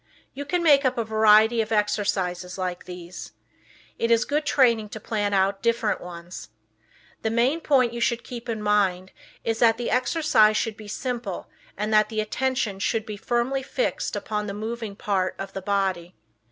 You can make up a variety of exercises like these. It is good training to plan out different ones. The main point you should keep in mind is that the exercise should be simple and that the attention should be firmly fixed upon the moving part of the body.